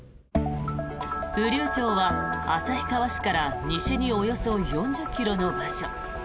雨竜町は旭川市から西におよそ４０ｋｍの場所。